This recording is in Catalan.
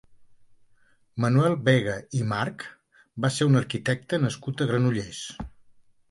Manuel Vega i March va ser un arquitecte nascut a Granollers.